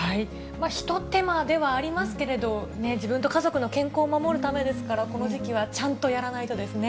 一手間ではありますけど、自分と家族の健康を守るためですから、この時期はちゃんとやらないとですね。